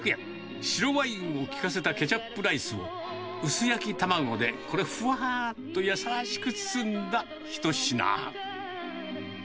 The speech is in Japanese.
白ワインを効かせたケチャップライスを、薄焼き卵でこれ、ふわーっと優しく包んだ一品。